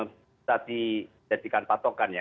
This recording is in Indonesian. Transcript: bisa dijadikan patokan ya